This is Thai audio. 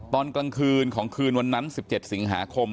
ตอนกลางคืนของคืนวันนั้น๑๗สิงหาคม